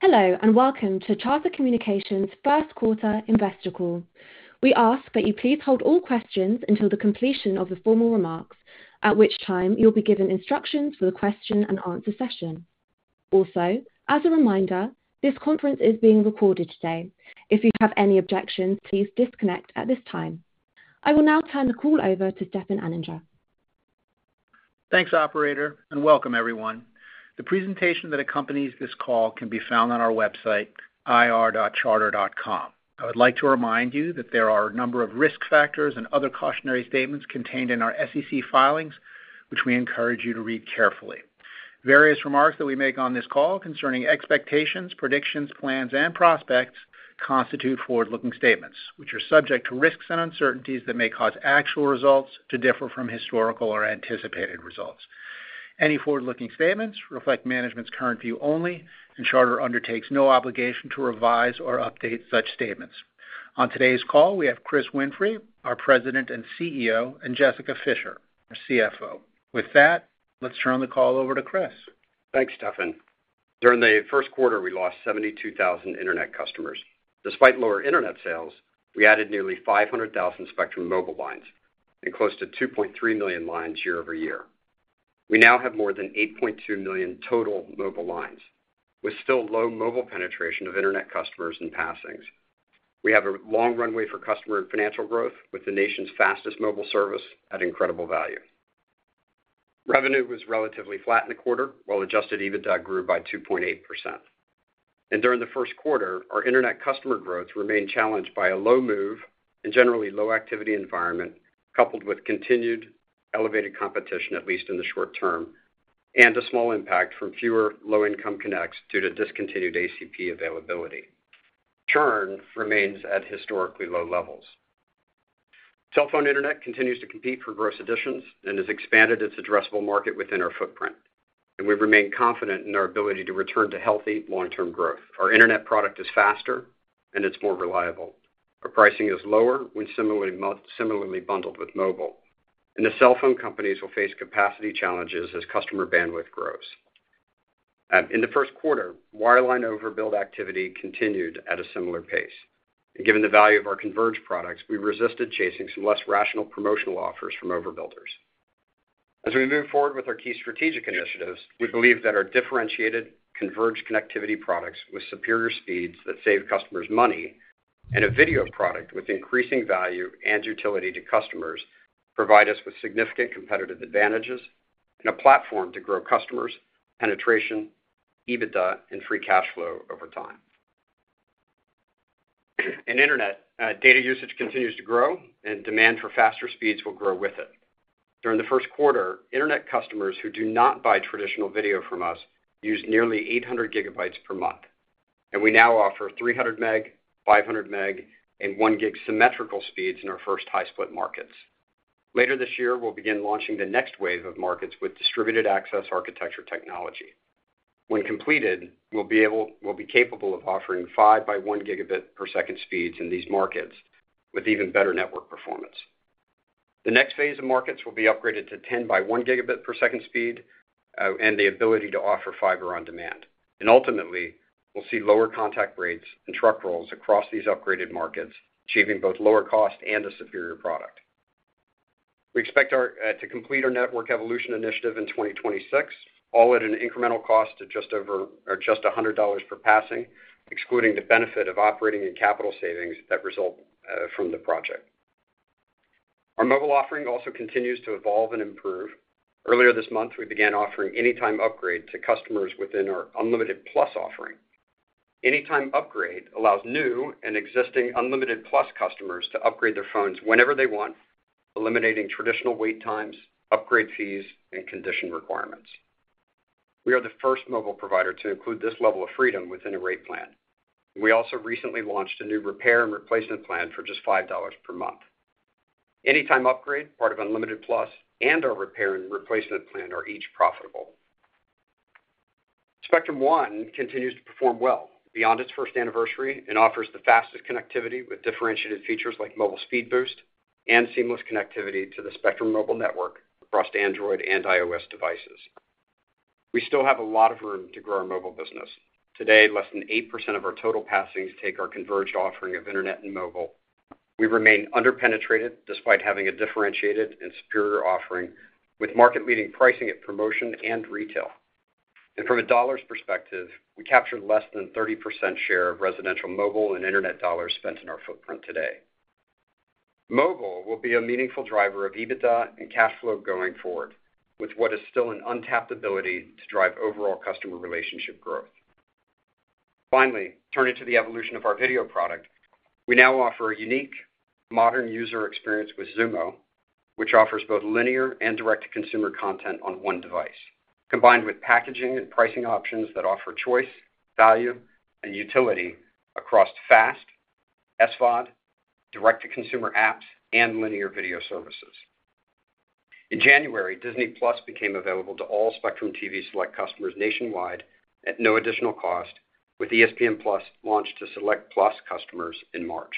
Hello and welcome to Charter Communications' Q1 Investor Call. We ask that you please hold all questions until the completion of the formal remarks, at which time you'll be given instructions for the question-and-answer session. Also, as a reminder, this conference is being recorded today. If you have any objections, please disconnect at this time. I will now turn the call over to Stefan Anninger. Thanks, operator, and welcome, everyone. The presentation that accompanies this call can be found on our website, ir.charter.com. I would like to remind you that there are a number of risk factors and other cautionary statements contained in our SEC filings, which we encourage you to read carefully. Various remarks that we make on this call concerning expectations, predictions, plans, and prospects constitute forward-looking statements, which are subject to risks and uncertainties that may cause actual results to differ from historical or anticipated results. Any forward-looking statements reflect management's current view only, and Charter undertakes no obligation to revise or update such statements. On today's call, we have Chris Winfrey, our president and CEO, and Jessica Fischer, our CFO. With that, let's turn the call over to Chris. Thanks, Stefan. During the first quarter, we lost 72,000 internet customers. Despite lower internet sales, we added nearly 500,000 Spectrum Mobile lines and close to 2.3 million lines year-over-year. We now have more than 8.2 million total mobile lines, with still low mobile penetration of internet customers in passings. We have a long runway for customer and financial growth, with the nation's fastest mobile service at incredible value. Revenue was relatively flat in the quarter, while adjusted EBITDA grew by 2.8%. During the Q1, our internet customer growth remained challenged by a low move and generally low activity environment, coupled with continued elevated competition, at least in the short term, and a small impact from fewer low-income connects due to discontinued ACP availability. Churn remains at historically low levels. Cell phone internet continues to compete for gross additions and has expanded its addressable market within our footprint, and we remain confident in our ability to return to healthy long-term growth. Our internet product is faster, and it's more reliable. Our pricing is lower when similarly bundled with mobile, and the cell phone companies will face capacity challenges as customer bandwidth grows. In Q1, wireline overbuild activity continued at a similar pace, and given the value of our converged products, we resisted chasing some less rational promotional offers from overbuilders. As we move forward with our key strategic initiatives, we believe that our differentiated converged connectivity products with superior speeds that save customers money and a video product with increasing value and utility to customers provide us with significant competitive advantages and a platform to grow customers, penetration, EBITDA, and Free Cash Flow over time. In internet, data usage continues to grow, and demand for faster speeds will grow with it. During the Q1, internet customers who do not buy traditional video from us used nearly 800GB per month, and we now offer 300Mbps, 500Mbps, and 1Gbps symmetrical speeds in our first high-split markets. Later this year, we'll begin launching the next wave of markets with distributed access architecture technology. When completed, we'll be capable of offering 5x1 Gbps speeds in these markets with even better network performance. The next phase of markets will be upgraded to 10x1 Gbps speed and the ability to offer fiber on demand. Ultimately, we'll see lower contact rates and truck rolls across these upgraded markets, achieving both lower cost and a superior product. We expect to complete our network evolution initiative in 2026, all at an incremental cost of just over $100 per passing, excluding the benefit of operating and capital savings that result from the project. Our mobile offering also continues to evolve and improve. Earlier this month, we began offering Anytime Upgrade to customers within our Unlimited Plus offering. Anytime Upgrade allows new and existing Unlimited Plus customers to upgrade their phones whenever they want, eliminating traditional wait times, upgrade fees, and condition requirements. We are the first mobile provider to include this level of freedom within a rate plan, and we also recently launched a new Repair and Replacement Plan for just $5 per month. Anytime Upgrade, part of Unlimited Plus, and our repair and replacement plan are each profitable. Spectrum One continues to perform well beyond its first anniversary and offers the fastest connectivity with differentiated features like Mobile Speed Boost and seamless connectivity to the Spectrum Mobile network across Android and iOS devices. We still have a lot of room to grow our mobile business. Today, less than 8% of our total passings take our converged offering of internet and mobile. We remain underpenetrated despite having a differentiated and superior offering, with market-leading pricing at promotion and retail. And from a dollar's perspective, we capture less than 30% share of residential mobile and internet dollars spent in our footprint today. Mobile will be a meaningful driver of EBITDA and cash flow going forward, with what is still an untapped ability to drive overall customer relationship growth. Finally, turning to the evolution of our video product, we now offer a unique, modern user experience with Xumo, which offers both linear and direct-to-consumer content on one device, combined with packaging and pricing options that offer choice, value, and utility across FAST, SVOD, direct-to-consumer apps, and linear video services. In January, Disney+ became available to all Spectrum TV Select customers nationwide at no additional cost, with ESPN+ launched to Select+ customers in March.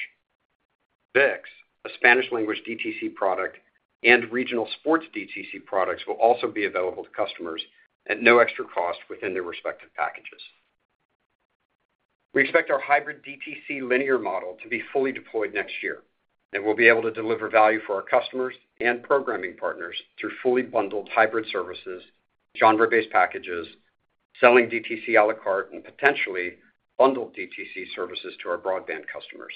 ViX, a Spanish-language DTC product, and regional sports DTC products will also be available to customers at no extra cost within their respective packages. We expect our hybrid DTC linear model to be fully deployed next year, and we'll be able to deliver value for our customers and programming partners through fully bundled hybrid services, genre-based packages, selling DTC à la carte, and potentially bundled DTC services to our broadband customers.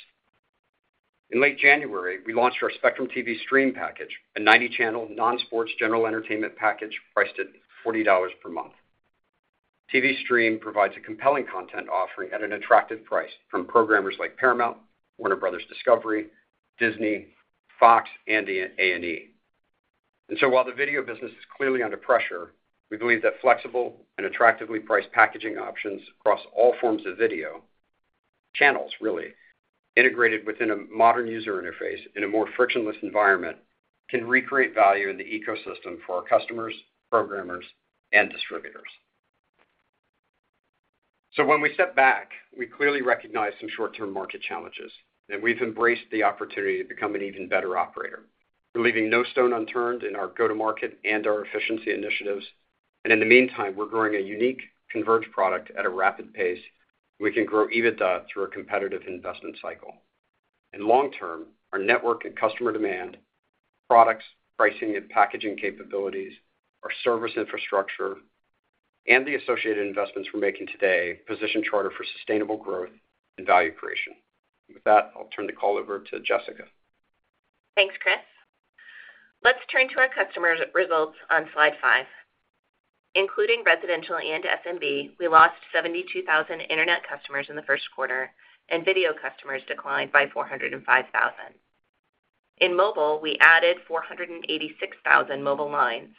In late January, we launched our Spectrum TV Stream package, a 90-channel non-sports general entertainment package priced at $40 per month. TV Stream provides a compelling content offering at an attractive price from programmers like Paramount, Warner Bros. Discovery, Disney, Fox, and A&E. And so while the video business is clearly under pressure, we believe that flexible and attractively priced packaging options across all forms of video channels, really, integrated within a modern user interface in a more frictionless environment can recreate value in the ecosystem for our customers, programmers, and distributors. So when we step back, we clearly recognize some short-term market challenges, and we've embraced the opportunity to become an even better operator. We're leaving no stone unturned in our go-to-market and our efficiency initiatives, and in the meantime, we're growing a unique converged product at a rapid pace we can grow EBITDA through a competitive investment cycle. Long term, our network and customer demand, products, pricing, and packaging capabilities, our service infrastructure, and the associated investments we're making today position Charter for sustainable growth and value creation. With that, I'll turn the call over to Jessica. Thanks, Chris. Let's turn to our customer results on slide five. Including residential and SMB, we lost 72,000 internet customers in Q1, and video customers declined by 405,000. In mobile, we added 486,000 mobile lines,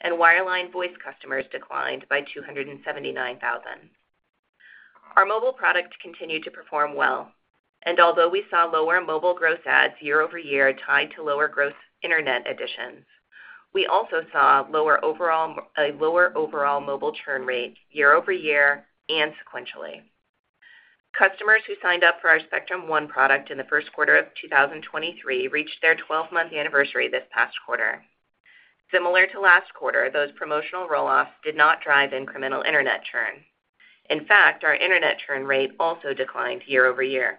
and wireline voice customers declined by 279,000. Our mobile product continued to perform well, and although we saw lower mobile gross adds year-over-year tied to lower gross internet additions, we also saw a lower overall mobile churn rate year-over-year and sequentially. Customers who signed up for our Spectrum One product in Q1 of 2023 reached their 12-month anniversary this past quarter. Similar to last quarter, those promotional roll-offs did not drive incremental internet churn. In fact, our internet churn rate also declined year-over-year.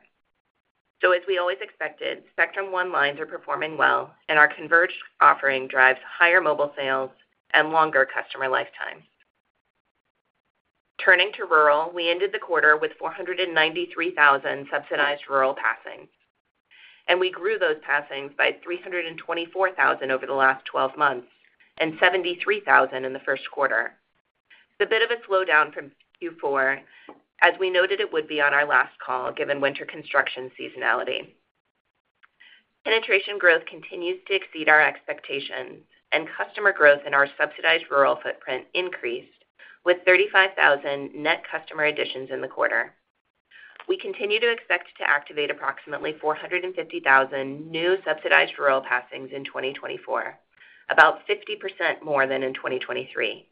So as we always expected, Spectrum One lines are performing well, and our converged offering drives higher mobile sales and longer customer lifetimes. Turning to rural, we ended the quarter with 493,000 subsidized rural passings, and we grew those passings by 324,000 over the last 12 months and 73,000 in Q1. It's a bit of a slowdown from Q4, as we noted it would be on our last call given winter construction seasonality. Penetration growth continues to exceed our expectations, and customer growth in our subsidized rural footprint increased with 35,000 net customer additions in the quarter. We continue to expect to activate approximately 450,000 new subsidized rural passings in 2024, about 50% more than in 2023.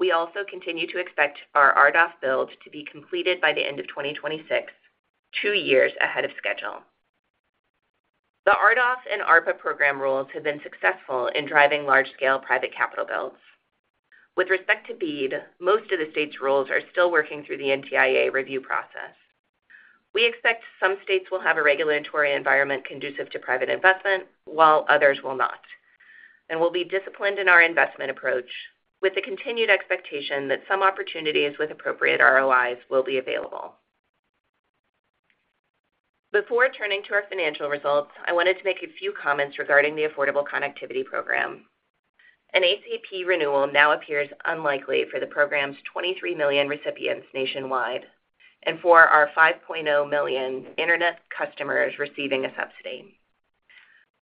We also continue to expect our RDOF build to be completed by the end of 2026, two years ahead of schedule. The RDOF and ARPA program rules have been successful in driving large-scale private capital builds. With respect to BEAD, most of the states' rules are still working through the NTIA review process. We expect some states will have a regulatory environment conducive to private investment, while others will not, and we'll be disciplined in our investment approach with the continued expectation that some opportunities with appropriate ROIs will be available. Before turning to our financial results, I wanted to make a few comments regarding the Affordable Connectivity Program. An ACP renewal now appears unlikely for the program's 23 million recipients nationwide and for our 5.0 million internet customers receiving a subsidy.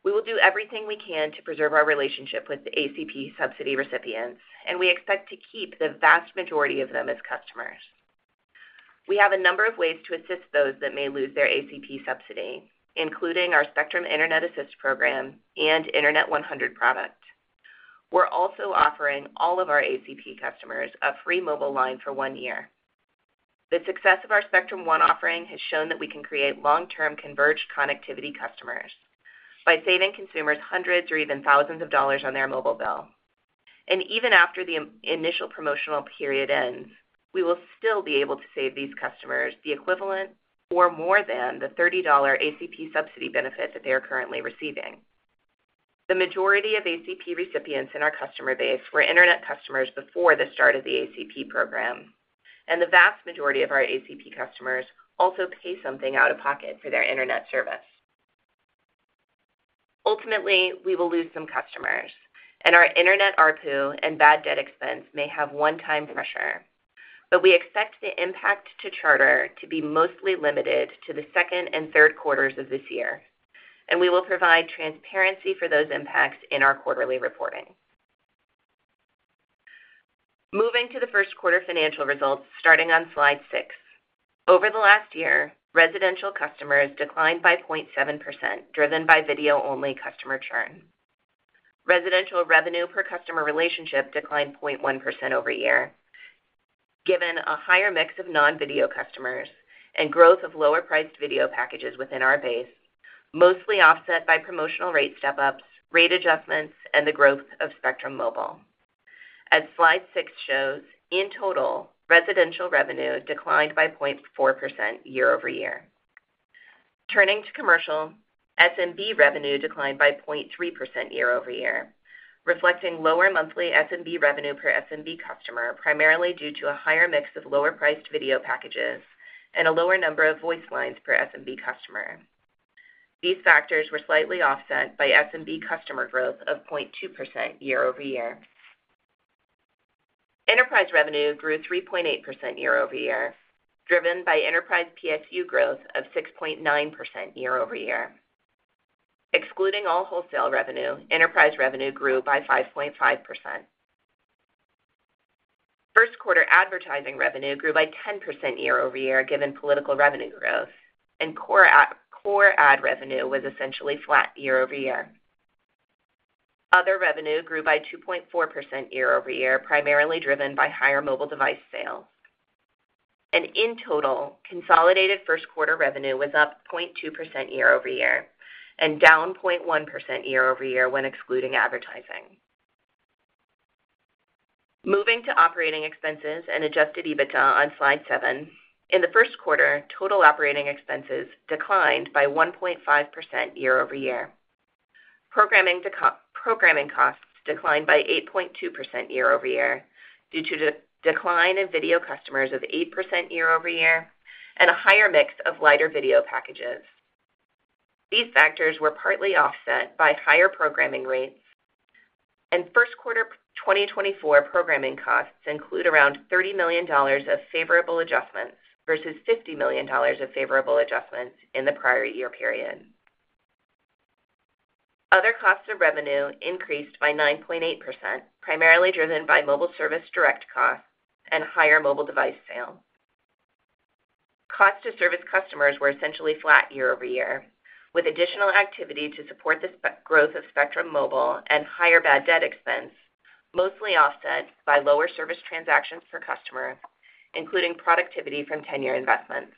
We will do everything we can to preserve our relationship with the ACP subsidy recipients, and we expect to keep the vast majority of them as customers. We have a number of ways to assist those that may lose their ACP subsidy, including our Spectrum Internet Assist Program and Internet 100 product. We're also offering all of our ACP customers a free mobile line for one year. The success of our Spectrum One offering has shown that we can create long-term converged connectivity customers by saving consumers hundreds or even thousands of dollars on their mobile bill. Even after the initial promotional period ends, we will still be able to save these customers the equivalent or more than the $30 ACP subsidy benefit that they are currently receiving. The majority of ACP recipients in our customer base were internet customers before the start of the ACP Program, and the vast majority of our ACP customers also pay something out of pocket for their internet service. Ultimately, we will lose some customers, and our internet ARPU and bad debt expense may have one-time pressure, but we expect the impact to Charter to be mostly limited to the second and third quarters of this year, and we will provide transparency for those impacts in our quarterly reporting. Moving to the Q1 financial results starting on slide 6. Over the last year, residential customers declined by 0.7% driven by video-only customer churn. Residential revenue per customer relationship declined 0.1% year-over-year. Given a higher mix of non-video customers and growth of lower-priced video packages within our base, mostly offset by promotional rate step-ups, rate adjustments, and the growth of Spectrum Mobile. As slide six shows, in total, residential revenue declined by 0.4% year-over-year. Turning to commercial, SMB revenue declined by 0.3% year-over-year, reflecting lower monthly SMB revenue per SMB customer primarily due to a higher mix of lower-priced video packages and a lower number of voice lines per SMB customer. These factors were slightly offset by SMB customer growth of 0.2% year-over-year. Enterprise revenue grew 3.8% year-over-year, driven by enterprise PSU growth of 6.9% year-over-year. Excluding all wholesale revenue, enterprise revenue grew by 5.5%. Q1 advertising revenue grew by 10% year-over-year given political revenue growth, and core ad revenue was essentially flat year-over-year. Other revenue grew by 2.4% year-over-year, primarily driven by higher mobile device sales. In total, consolidated Q1 revenue was up 0.2% year-over-year and down 0.1% year-over-year when excluding advertising. Moving to operating expenses and Adjusted EBITDA on slide seven. In the Q1, total operating expenses declined by 1.5% year-over-year. Programming costs declined by 8.2% year-over-year due to a decline in video customers of 8% year-over-year and a higher mix of lighter video packages. These factors were partly offset by higher programming rates, and Q1 2024 programming costs include around $30 million of favorable adjustments versus $50 million of favorable adjustments in the prior year period. Other costs of revenue increased by 9.8%, primarily driven by mobile service direct costs and higher mobile device sales. Cost to service customers were essentially flat year-over-year, with additional activity to support the growth of Spectrum Mobile and higher bad debt expense mostly offset by lower service transactions per customer, including productivity from 10-year investments.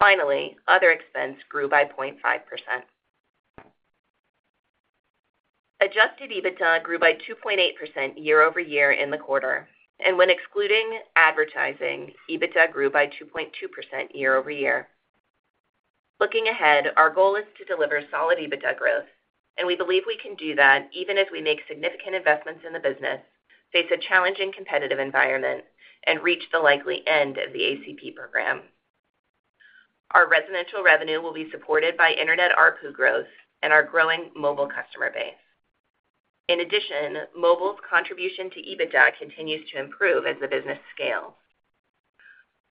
Finally, other expense grew by 0.5%. Adjusted EBITDA grew by 2.8% year over year in the quarter, and when excluding advertising, EBITDA grew by 2.2% year over year. Looking ahead, our goal is to deliver solid EBITDA growth, and we believe we can do that even as we make significant investments in the business, face a challenging competitive environment, and reach the likely end of the ACP Program. Our residential revenue will be supported by internet RPU growth and our growing mobile customer base. In addition, mobile's contribution to EBITDA continues to improve as the business scales.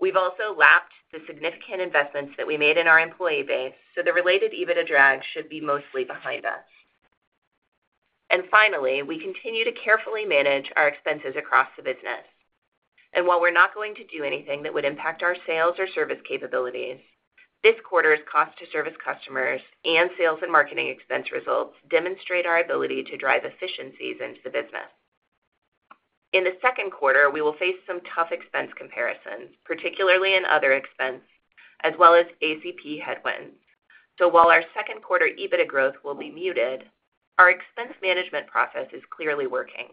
We've also lapped the significant investments that we made in our employee base, so the related EBITDA drag should be mostly behind us. And finally, we continue to carefully manage our expenses across the business. While we're not going to do anything that would impact our sales or service capabilities, this quarter's cost to service customers and sales and marketing expense results demonstrate our ability to drive efficiencies into the business. In the second quarter, we will face some tough expense comparisons, particularly in other expense, as well as ACP headwinds. So while our second quarter EBITDA growth will be muted, our expense management process is clearly working,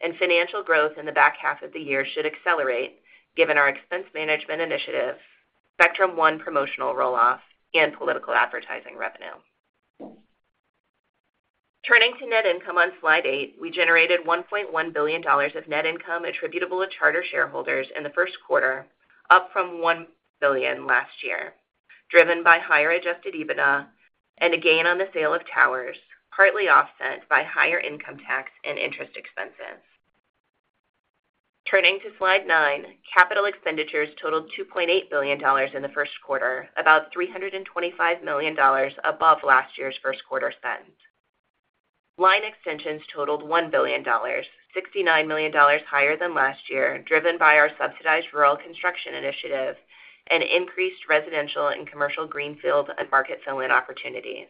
and financial growth in the back half of the year should accelerate given our expense management initiative, Spectrum One promotional roll-off, and political advertising revenue. Turning to net income on slide 8, we generated $1.1 billion of net income attributable to Charter shareholders in the Q1, up from $1 billion last year, driven by higher adjusted EBITDA and a gain on the sale of towers, partly offset by higher income tax and interest expenses. Turning to slide 9, capital expenditures totaled $2.8 billion in the Q1, about $325 million above last year's Q1 spend. Line extensions totaled $1 billion, 69 million higher than last year, driven by our subsidized rural construction initiative and increased residential and commercial greenfield and market fill-in opportunities.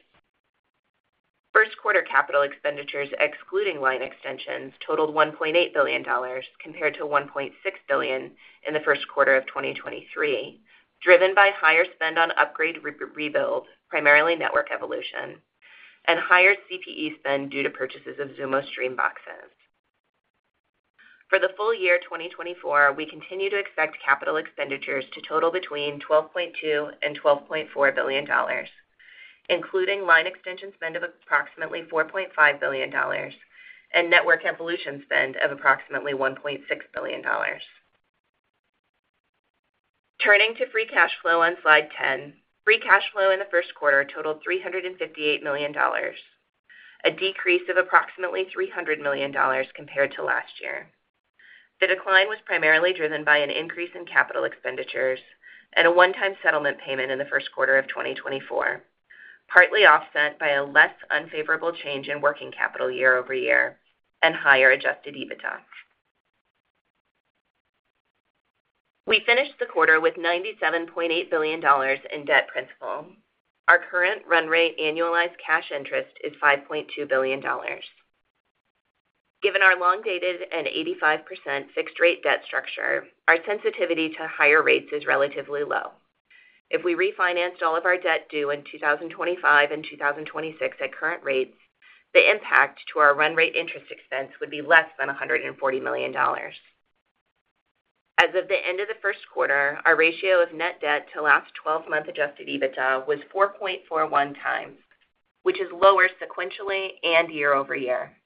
Q1 capital expenditures excluding line extensions totaled $1.8 compared to 1.6 billion in the Q1 of 2023, driven by higher spend on upgrade rebuild, primarily network evolution, and higher CPE spend due to purchases of Xumo Stream boxes. For the full year 2024, we continue to expect capital expenditures to total between $12.2-12.4 billion, including line extension spend of approximately $4.5 billion and network evolution spend of approximately $1.6 billion. Turning to Free Cash Flow on slide 10. Free cash flow in the Q1 totaled $358 million, a decrease of approximately $300 million compared to last year. The decline was primarily driven by an increase in capital expenditures and a one-time settlement payment in the Q1 of 2024, partly offset by a less unfavorable change in working capital year-over-year and higher Adjusted EBITDA. We finished the quarter with $97.8 billion in debt principal. Our current run rate annualized cash interest is $5.2 billion. Given our long-dated and 85% fixed-rate debt structure, our sensitivity to higher rates is relatively low. If we refinanced all of our debt due in 2025 and 2026 at current rates, the impact to our run rate interest expense would be less than $140 million. As of the end of the Q1, our ratio of net debt to last 12-month Adjusted EBITDA was 4.41 times, which is lower sequentially and year-over-year.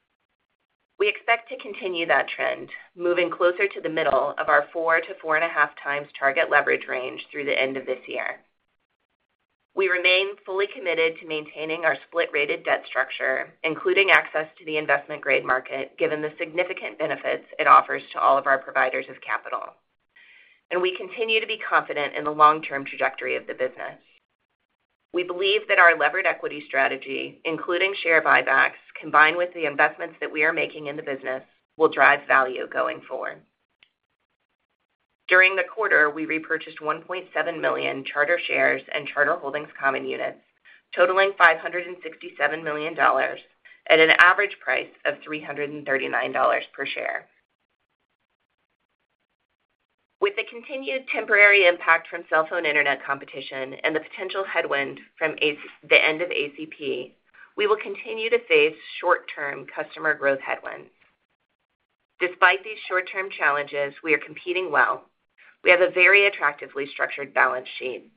We expect to continue that trend, moving closer to the middle of our four to 4.5x target leverage range through the end of this year. We remain fully committed to maintaining our split-rated debt structure, including access to the investment-grade market given the significant benefits it offers to all of our providers of capital, and we continue to be confident in the long-term trajectory of the business. We believe that our levered equity strategy, including share buybacks combined with the investments that we are making in the business, will drive value going forward. During the quarter, we repurchased 1.7 million Charter shares and Charter Holdings common units, totaling $567 million at an average price of $339 per share. With the continued temporary impact from cell phone internet competition and the potential headwind from the end of ACP, we will continue to face short-term customer growth headwinds. Despite these short-term challenges, we are competing well. We have a very attractively structured balance sheet,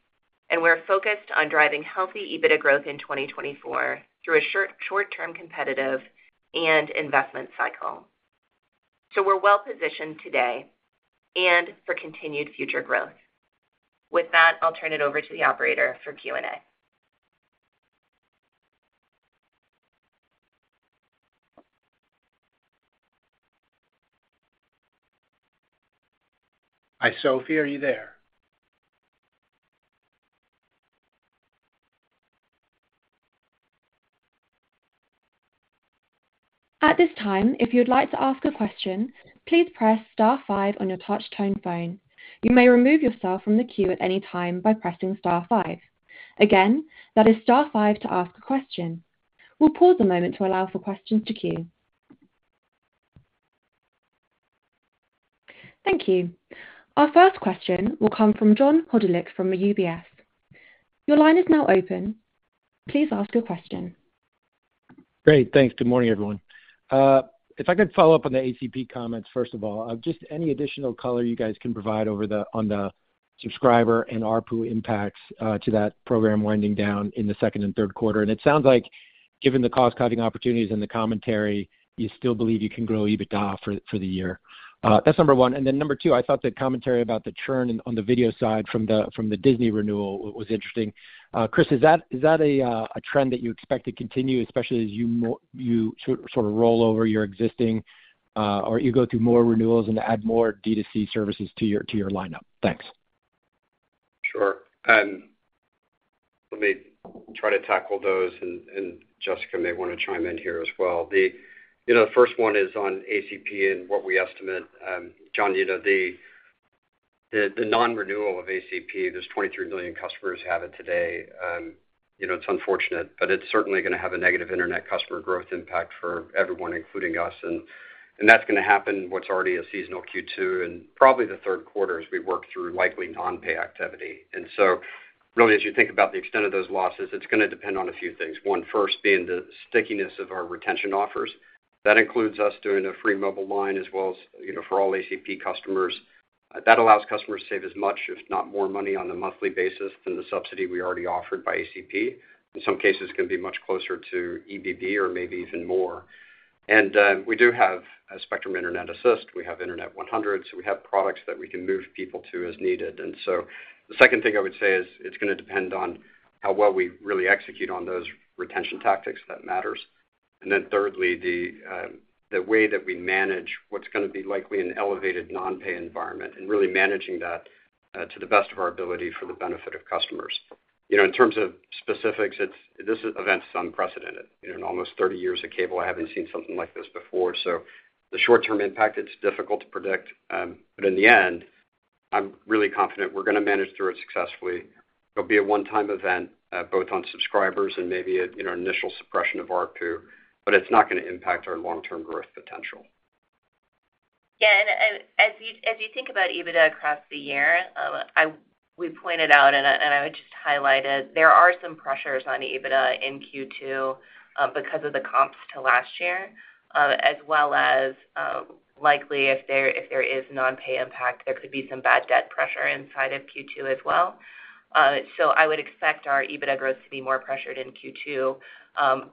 and we're focused on driving healthy EBITDA growth in 2024 through a short-term competitive and investment cycle. So we're well-positioned today and for continued future growth. With that, I'll turn it over to the operator for Q&A. Hi, Sophie. Are you there? At this time, if you'd like to ask a question, please press star five on your touch-tone phone. You may remove yourself from the queue at any time by pressing star five. Again, that is star five to ask a question. We'll pause a moment to allow for questions to queue. Thank you. Our first question will come from John Hodulik from UBS. Your line is now open. Please ask your question. Great. Thanks. Good morning, everyone. If I could follow up on the ACP comments, first of all, just any additional color you guys can provide on the subscriber and RPU impacts to that program winding down in the second and Q3? It sounds like, given the cost-cutting opportunities and the commentary, you still believe you can grow EBITDA for the year. That's number one. And then number two, I thought the commentary about the churn on the video side from the Disney renewal was interesting. Chris, is that a trend that you expect to continue, especially as you sort of roll over your existing or you go through more renewals and add more DTC services to your lineup? Thanks. Sure. Let me try to tackle those. And Jessica may want to chime in here as well. The first one is on ACP and what we estimate. John, the non-renewal of ACP, there's 23 million customers who have it today. It's unfortunate, but it's certainly going to have a negative internet customer growth impact for everyone, including us. And that's going to happen. What's already a seasonal Q2 and probably the Q3 is we work through likely non-pay activity. And so really, as you think about the extent of those losses, it's going to depend on a few things. One, first, being the stickiness of our retention offers. That includes us doing a free mobile line as well as for all ACP customers. That allows customers to save as much, if not more, money on a monthly basis than the subsidy we already offered by ACP. In some cases, it can be much closer to EBITDA or maybe even more. We do have Spectrum Internet Assist. We have Internet 100. So we have products that we can move people to as needed. The second thing I would say is it's going to depend on how well we really execute on those retention tactics. That matters. Then thirdly, the way that we manage what's going to be likely an elevated non-pay environment and really managing that to the best of our ability for the benefit of customers. In terms of specifics, this event's unprecedented. In almost 30 years of cable, I haven't seen something like this before. So the short-term impact, it's difficult to predict. But in the end, I'm really confident we're going to manage through it successfully. It'll be a one-time event, both on subscribers and maybe an initial suppression of RPU, but it's not going to impact our long-term growth potential. Yeah. And as you think about EBITDA across the year, we pointed out, and I would just highlight it, there are some pressures on EBITDA in Q2 because of the comps to last year, as well as likely if there is non-pay impact, there could be some bad debt pressure inside of Q2 as well. So I would expect our EBITDA growth to be more pressured in Q2.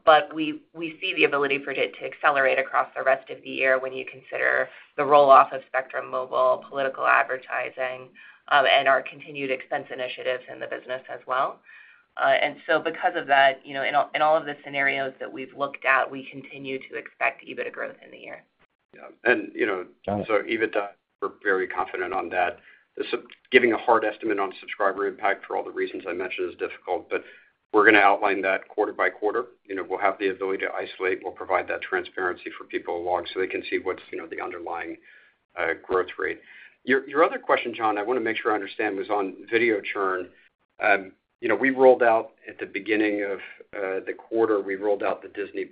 But we see the ability for it to accelerate across the rest of the year when you consider the roll-off of Spectrum Mobile, political advertising, and our continued expense initiatives in the business as well. And so because of that, in all of the scenarios that we've looked at, we continue to expect EBITDA growth in the year. Yeah. And so EBITDA, we're very confident on that. Giving a hard estimate on subscriber impact for all the reasons I mentioned is difficult, but we're going to outline that quarter by quarter. We'll have the ability to isolate. We'll provide that transparency for people along so they can see what's the underlying growth rate. Your other question, John, I want to make sure I understand, was on video churn. We rolled out at the beginning of the quarter, we rolled out the Disney+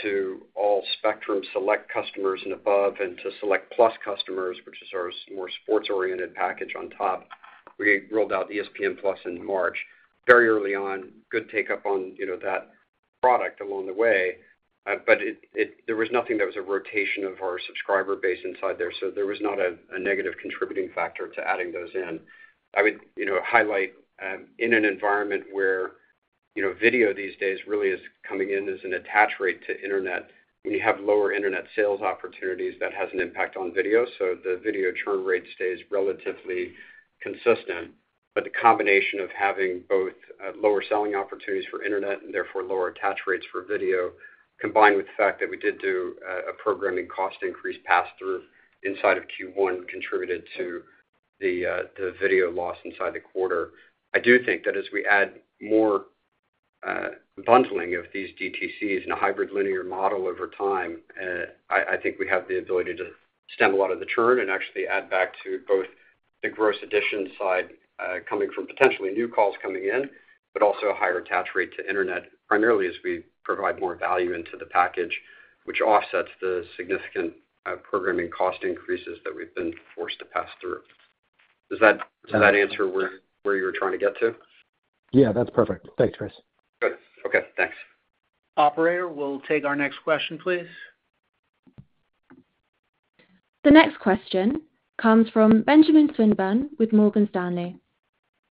to all Spectrum Select customers and above and to Select Plus customers, which is our more sports-oriented package on top. We rolled out ESPN+ in March. Very early on, good take-up on that product along the way, but there was nothing that was a rotation of our subscriber base inside there. So there was not a negative contributing factor to adding those in. I would highlight, in an environment where video these days really is coming in as an attach rate to internet, when you have lower internet sales opportunities, that has an impact on video. So the video churn rate stays relatively consistent. But the combination of having both lower selling opportunities for internet and therefore lower attach rates for video, combined with the fact that we did do a programming cost increase pass-through inside of Q1, contributed to the video loss inside the quarter. I do think that as we add more bundling of these DTCs and a hybrid linear model over time, I think we have the ability to stem a lot of the churn and actually add back to both the gross addition side coming from potentially new calls coming in, but also a higher attach rate to internet, primarily as we provide more value into the package, which offsets the significant programming cost increases that we've been forced to pass through. Does that answer where you were trying to get to? Yeah, that's perfect. Thanks, Chris. Good. Okay. Thanks. Operator, we'll take our next question, please. The next question comes from Benjamin Swinburne with Morgan Stanley.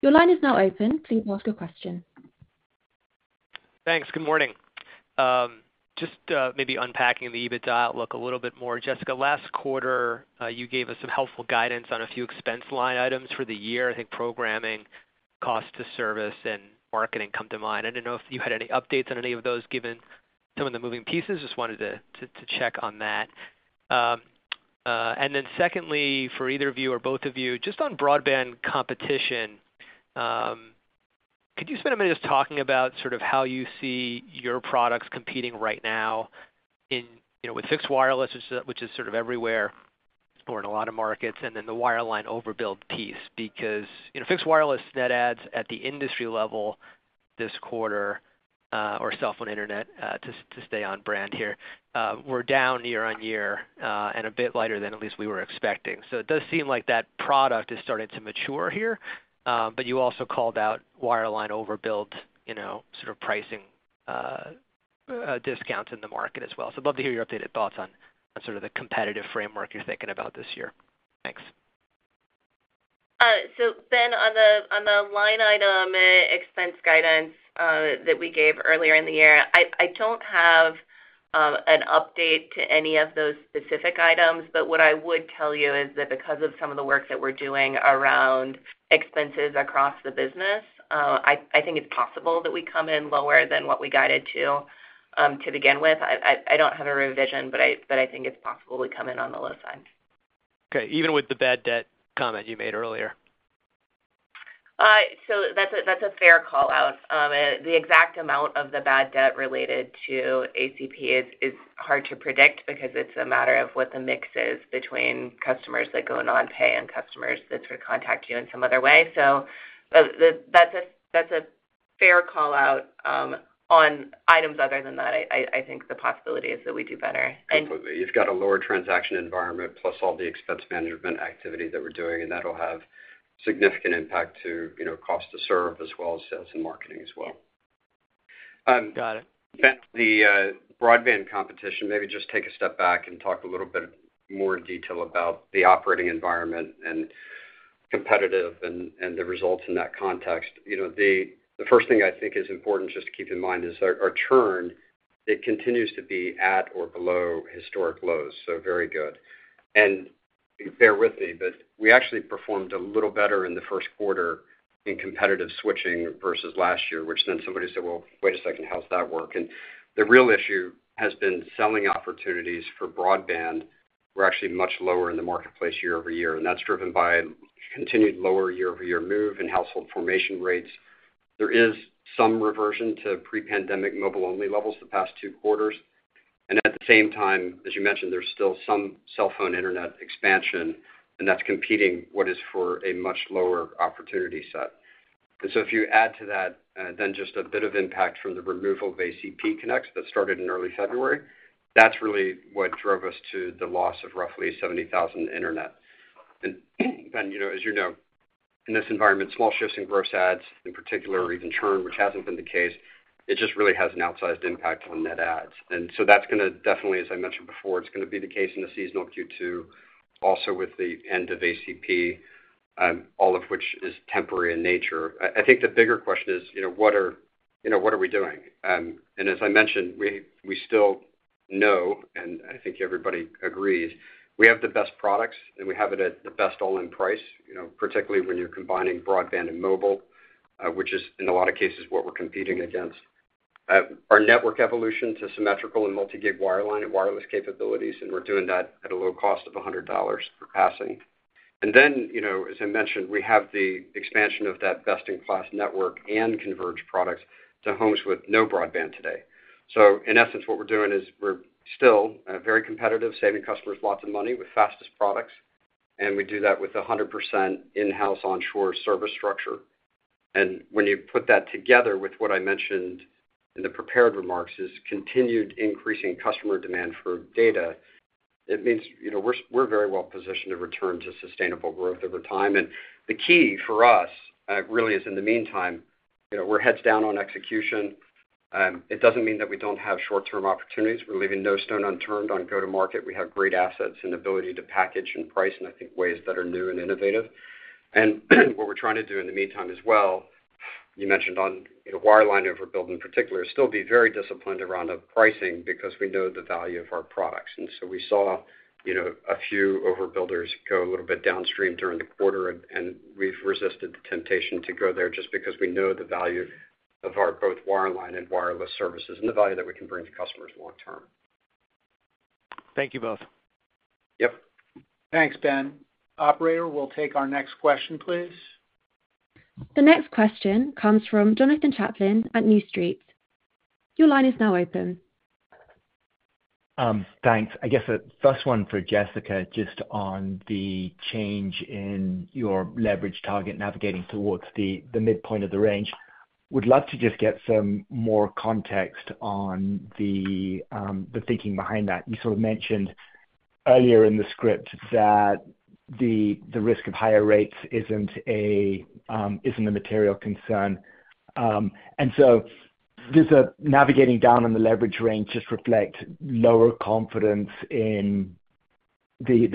Your line is now open. Please ask your question. Thanks. Good morning. Just maybe unpacking the EBITDA outlook a little bit more. Jessica, last quarter, you gave us some helpful guidance on a few expense line items for the year. I think programming, cost to service, and marketing come to mind. I didn't know if you had any updates on any of those given some of the moving pieces. Just wanted to check on that. And then secondly, for either of you or both of you, just on broadband competition, could you spend a minute just talking about sort of how you see your products competing right now with fixed wireless, which is sort of everywhere or in a lot of markets, and then the wire line overbuild piece? Because fixed wireless net adds at the industry level this quarter, or cell phone internet, to stay on brand here, were down year-over-year and a bit lighter than at least we were expecting. So it does seem like that product is starting to mature here. But you also called out wireline overbuild sort of pricing discounts in the market as well. So I'd love to hear your updated thoughts on sort of the competitive framework you're thinking about this year. Thanks. So Ben, on the line item expense guidance that we gave earlier in the year, I don't have an update to any of those specific items. But what I would tell you is that because of some of the work that we're doing around expenses across the business, I think it's possible that we come in lower than what we guided to begin with. I don't have a revision, but I think it's possible we come in on the low side. Okay. Even with the bad debt comment you made earlier? So that's a fair callout. The exact amount of the bad debt related to ACP is hard to predict because it's a matter of what the mix is between customers that go non-pay and customers that sort of contact you in some other way. So that's a fair callout. On items other than that, I think the possibility is that we do better. Absolutely. You've got a lower transaction environment plus all the expense management activity that we're doing, and that'll have significant impact to cost to serve as well as sales and marketing as well. Got it. Ben, the broadband competition, maybe just take a step back and talk a little bit more in detail about the operating environment and competitive and the results in that context. The first thing I think is important just to keep in mind is our churn; it continues to be at or below historic lows. So very good. And bear with me, but we actually performed a little better in the Q1 in competitive switching versus last year, which then somebody said, "Well, wait a second. How's that work?" And the real issue has been selling opportunities for broadband were actually much lower in the marketplace year-over-year. And that's driven by continued lower year-over-year move and household formation rates. There is some reversion to pre-pandemic mobile-only levels the past two quarters. And at the same time, as you mentioned, there's still some cell phone internet expansion, and that's competing what is for a much lower opportunity set. And so if you add to that then just a bit of impact from the removal of ACP connects that started in early February, that's really what drove us to the loss of roughly 70,000 internet. And Ben, as you know, in this environment, small shifts in gross ads, in particular, or even churn, which hasn't been the case, it just really has an outsized impact on net ads. And so that's going to definitely, as I mentioned before, it's going to be the case in the seasonal Q2, also with the end of ACP, all of which is temporary in nature. I think the bigger question is, what are we doing? As I mentioned, we still know, and I think everybody agrees, we have the best products, and we have it at the best all-in price, particularly when you're combining broadband and mobile, which is in a lot of cases what we're competing against. Our network evolution to symmetrical and multi-gig wireline and wireless capabilities, and we're doing that at a low cost of $100 per passing. Then, as I mentioned, we have the expansion of that best-in-class network and converged products to homes with no broadband today. So in essence, what we're doing is we're still very competitive, saving customers lots of money with fastest products. We do that with 100% in-house onshore service structure. And when you put that together with what I mentioned in the prepared remarks, continued increasing customer demand for data, it means we're very well positioned to return to sustainable growth over time. And the key for us really is, in the meantime, we're heads down on execution. It doesn't mean that we don't have short-term opportunities. We're leaving no stone unturned on go-to-market. We have great assets and ability to package and price in, I think, ways that are new and innovative. And what we're trying to do in the meantime as well, you mentioned on wireline overbuild in particular, still be very disciplined around the pricing because we know the value of our products. And so we saw a few overbuilders go a little bit downstream during the quarter, and we've resisted the temptation to go there just because we know the value of our both wire line and wireless services and the value that we can bring to customers long-term. Thank you both. Yep. Thanks, Ben. Operator, we'll take our next question, please. The next question comes from Jonathan Chaplin at New Street. Your line is now open. Thanks. I guess the first one for Jessica just on the change in your leverage target navigating towards the midpoint of the range. Would love to just get some more context on the thinking behind that. You sort of mentioned earlier in the script that the risk of higher rates isn't a material concern. And so does navigating down in the leverage range just reflect lower confidence in the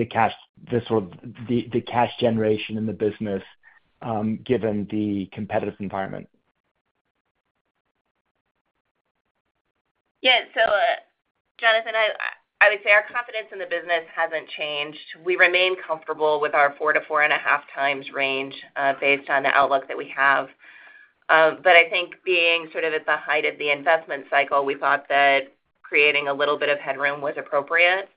sort of cash generation in the business given the competitive environment? Yeah. So Jonathan, I would say our confidence in the business hasn't changed. We remain comfortable with our four to 4.5x range based on the outlook that we have. But I think being sort of at the height of the investment cycle, we thought that creating a little bit of headroom was appropriate.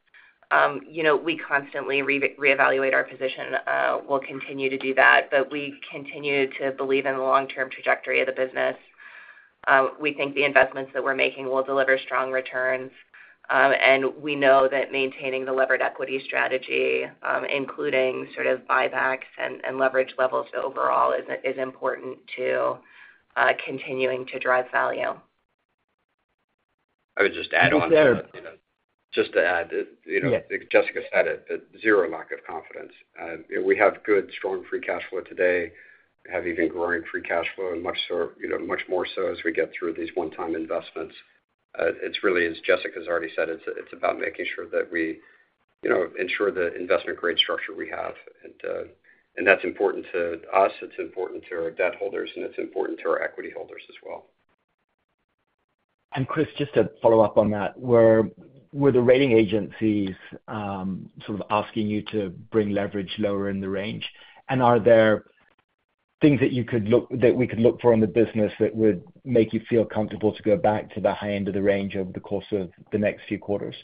We constantly reevaluate our position. We'll continue to do that. But we continue to believe in the long-term trajectory of the business. We think the investments that we're making will deliver strong returns. And we know that maintaining the levered equity strategy, including sort of buybacks and leverage levels overall, is important to continuing to drive value. I would just add on to that. Is there? Just to add, Jessica said it, but zero lack of confidence. We have good, strong Free Cash Flow today. We have even growing Free Cash Flow, much more so as we get through these one-time investments. It really is, Jessica's already said, it's about making sure that we ensure the investment-grade structure we have. And that's important to us. It's important to our debt holders, and it's important to our equity holders as well. And Chris, just to follow up on that, were the rating agencies sort of asking you to bring leverage lower in the range? And are there things that you could look that we could look for in the business that would make you feel comfortable to go back to the high end of the range over the course of the next few quarters?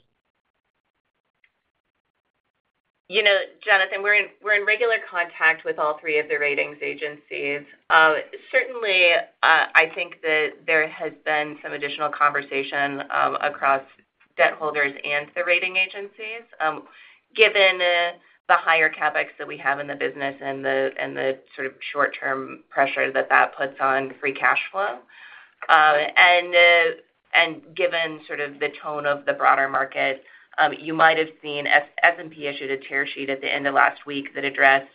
Jonathan, we're in regular contact with all three of the ratings agencies. Certainly, I think that there has been some additional conversation across debt holders and the rating agencies given the higher CapEx that we have in the business and the sort of short-term pressure that that puts on Free Cash Flow. Given sort of the tone of the broader market, you might have seen S&P issue a tier sheet at the end of last week that addressed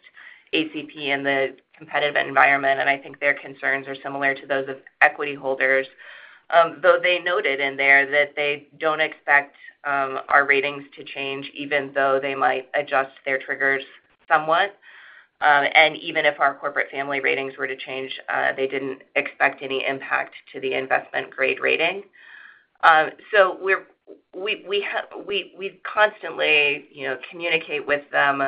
ACP and the competitive environment. I think their concerns are similar to those of equity holders, though they noted in there that they don't expect our ratings to change even though they might adjust their triggers somewhat. Even if our corporate family ratings were to change, they didn't expect any impact to the investment-grade rating. We constantly communicate with them.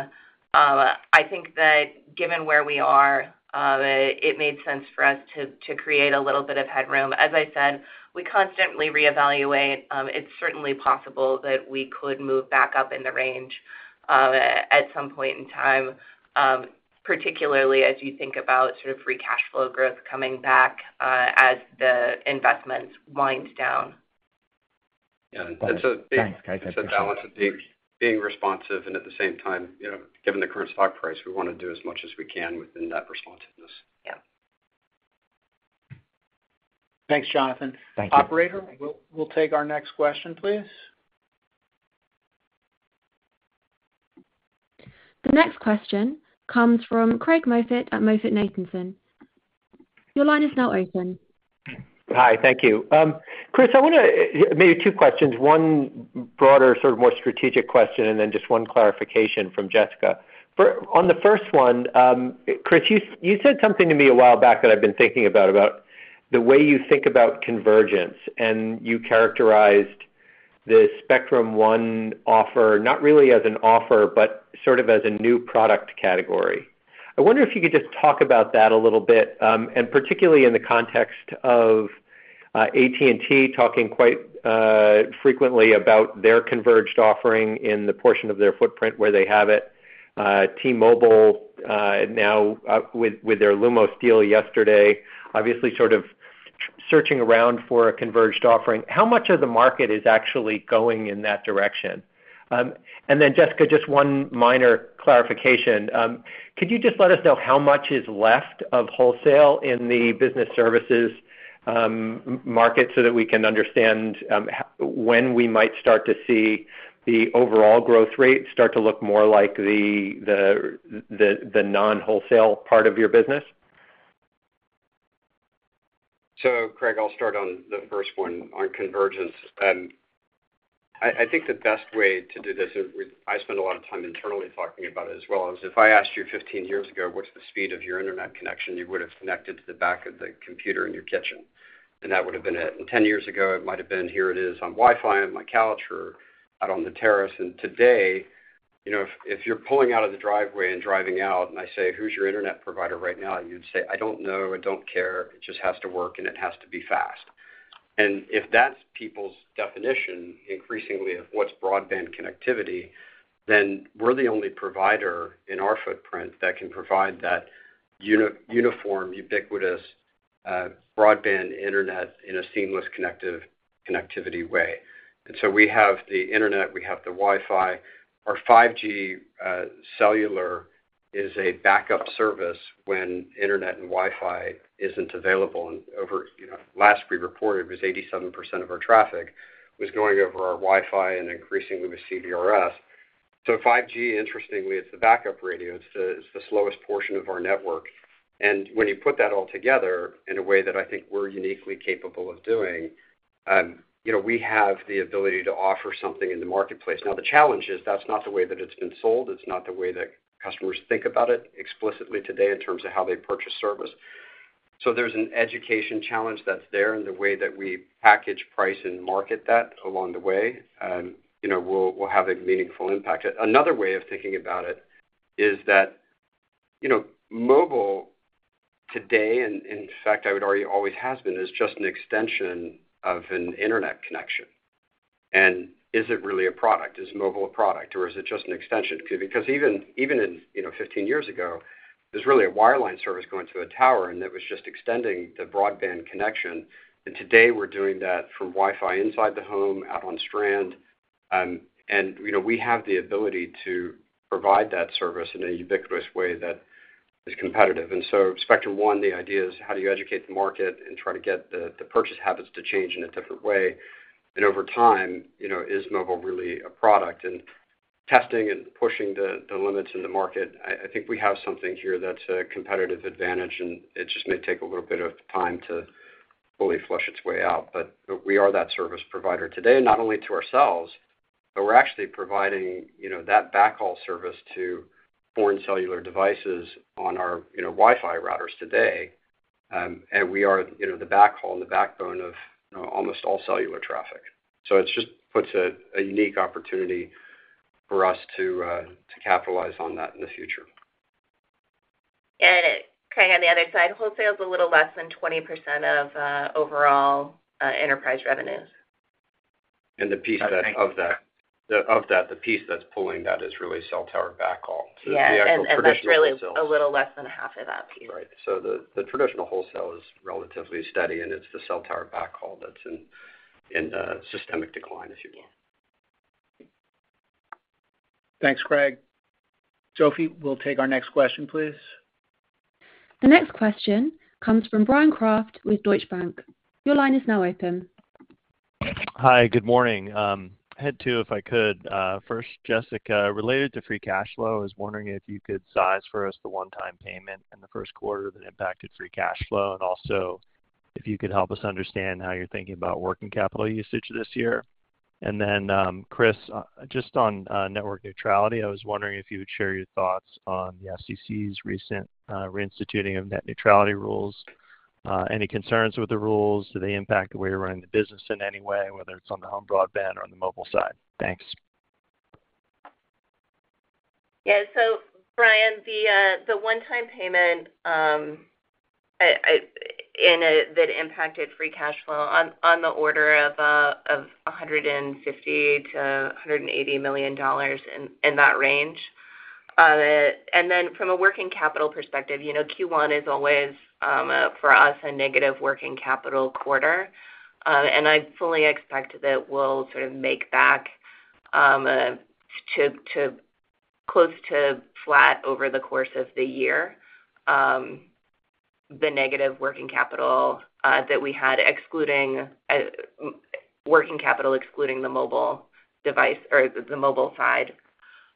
I think that given where we are, it made sense for us to create a little bit of headroom. As I said, we constantly reevaluate. It's certainly possible that we could move back up in the range at some point in time, particularly as you think about sort of free cash flow growth coming back as the investments wind down. Yeah. Thanks. I appreciate that. So that's a big one: being responsive. At the same time, given the current stock price, we want to do as much as we can within that responsiveness. Yeah. Thanks, Jonathan. Thank you. Operator, we'll take our next question, please. The next question comes from Craig Moffett at MoffettNathanson. Your line is now open. Hi. Thank you. Chris, I want to maybe two questions. One broader, sort of more strategic question, and then just one clarification from Jessica. On the first one, Chris, you said something to me a while back that I've been thinking about, about the way you think about convergence. And you characterized the Spectrum One offer not really as an offer, but sort of as a new product category. I wonder if you could just talk about that a little bit, and particularly in the context of AT&T talking quite frequently about their converged offering in the portion of their footprint where they have it, T-Mobile now with their Lumos yesterday, obviously sort of searching around for a converged offering. How much of the market is actually going in that direction? And then, Jessica, just one minor clarification. Could you just let us know how much is left of wholesale in the business services market so that we can understand when we might start to see the overall growth rate start to look more like the non-wholesale part of your business? So, Craig, I'll start on the first one, on convergence. I think the best way to do this and I spend a lot of time internally talking about it as well is if I asked you 15 years ago, "What's the speed of your internet connection?" you would have connected to the back of the computer in your kitchen. And that would have been it. And 10 years ago, it might have been, "Here it is on Wi-Fi on my couch or out on the terrace." And today, if you're pulling out of the driveway and driving out, and I say, "Who's your internet provider right now?" you'd say, "I don't know. I don't care. It just has to work, and it has to be fast." And if that's people's definition, increasingly, of what's broadband connectivity, then we're the only provider in our footprint that can provide that uniform, ubiquitous broadband internet in a seamless connective connectivity way. And so we have the internet. We have the Wi-Fi. Our 5G cellular is a backup service when internet and Wi-Fi isn't available. And last we reported, it was 87% of our traffic was going over our Wi-Fi and increasingly with CBRS. So 5G, interestingly, it's the backup radio. It's the slowest portion of our network. And when you put that all together in a way that I think we're uniquely capable of doing, we have the ability to offer something in the marketplace. Now, the challenge is that's not the way that it's been sold. It's not the way that customers think about it explicitly today in terms of how they purchase service. So there's an education challenge that's there. And the way that we package, price, and market that along the way, we'll have a meaningful impact. Another way of thinking about it is that mobile today, and in fact, I would argue always has been, is just an extension of an internet connection. And is it really a product? Is mobile a product, or is it just an extension? Because even 15 years ago, there's really a wireline service going to a tower, and that was just extending the broadband connection. And today, we're doing that from Wi-Fi inside the home, out on strand. And we have the ability to provide that service in a ubiquitous way that is competitive. And so Spectrum One, the idea is how do you educate the market and try to get the purchase habits to change in a different way? And over time, is mobile really a product? And testing and pushing the limits in the market, I think we have something here that's a competitive advantage. And it just may take a little bit of time to fully flush its way out. But we are that service provider today, not only to ourselves, but we're actually providing that backhaul service to foreign cellular devices on our Wi-Fi routers today. And we are the backhaul and the backbone of almost all cellular traffic. So it just puts a unique opportunity for us to capitalize on that in the future. Craig, on the other side, wholesale's a little less than 20% of overall enterprise revenues. The piece of that, the piece that's pulling that is really cell tower backhaul. It's the actual traditional wholesale. Yeah. That's really a little less than half of that piece. Right. So the traditional wholesale is relatively steady, and it's the cell tower backhaul that's in systemic decline, if you will. Yeah. Thanks, Craig. Sophie, we'll take our next question, please. The next question comes from Bryan Kraft with Deutsche Bank. Your line is now open. Hi. Good morning. Two, if I could. First, Jessica, related to free cash flow, I was wondering if you could size for us the one-time payment in Q1 that impacted free cash flow and also if you could help us understand how you're thinking about working capital usage this year. Then, Chris, just on net neutrality, I was wondering if you would share your thoughts on the FCC's recent reinstituting of net neutrality rules. Any concerns with the rules? Do they impact the way you're running the business in any way, whether it's on the home broadband or on the mobile side? Thanks. Yeah. So, Bryan, the one-time payment that impacted Free Cash Flow on the order of $150- 180 million, in that range. And then from a working capital perspective, Q1 is always, for us, a negative working capital quarter. And I fully expect that we'll sort of make back to close to flat over the course of the year, the negative working capital that we had, working capital excluding the mobile device or the mobile side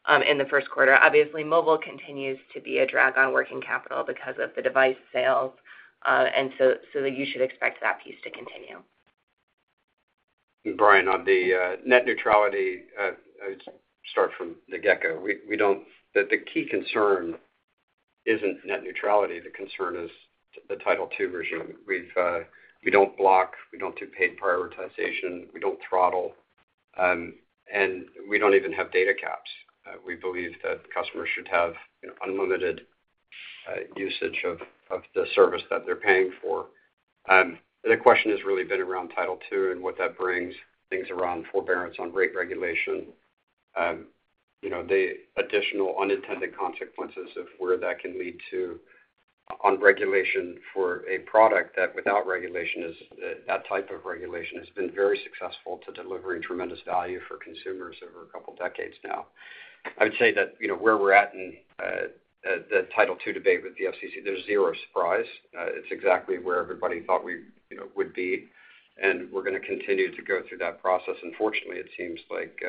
in Q1. Obviously, mobile continues to be a drag on working capital because of the device sales. And so you should expect that piece to continue. Bryan, on the net neutrality, I'll start from the get-go. The key concern isn't Net Neutrality. The concern is the Title II regime. We don't block. We don't do paid prioritization. We don't throttle. And we don't even have data caps. We believe that customers should have unlimited usage of the service that they're paying for. The question has really been around Title II and what that brings, things around forbearance on rate regulation, the additional unintended consequences of where that can lead to unregulation for a product that, without regulation, that type of regulation has been very successful to delivering tremendous value for consumers over a couple of decades now. I would say that where we're at in the Title II debate with the FCC, there's zero surprise. It's exactly where everybody thought we would be. And we're going to continue to go through that process. Unfortunately, it seems like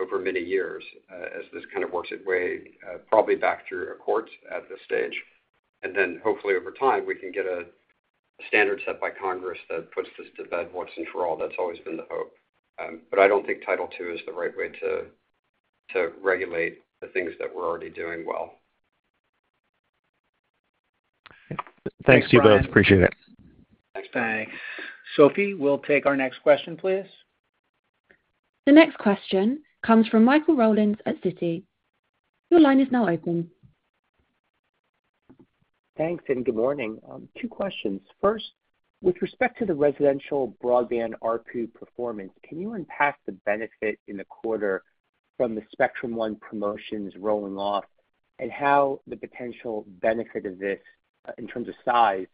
over many years as this kind of works its way, probably back through a court at this stage. And then hopefully, over time, we can get a standard set by Congress that puts this to bed once and for all. That's always been the hope. But I don't think Title II is the right way to regulate the things that we're already doing well. Thanks to you both. Appreciate it. Thanks. Thanks. Sophie, we'll take our next question, please. The next question comes from Michael Rollins at Citi. Your line is now open. Thanks, and good morning. Two questions. First, with respect to the residential broadband RPU performance, can you unpack the benefit in the quarter from the Spectrum One promotions rolling off and how the potential benefit of this, in terms of size,